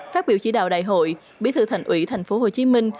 phát biểu chỉ đạo đại hội bí thư thành ủy thành phố hồ chí minh